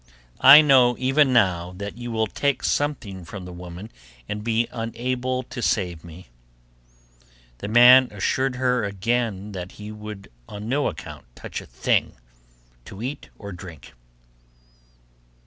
I know even now that you will take something from the woman and be unable to save me.' The man assured her again that he would on no account touch a thing to eat or drink.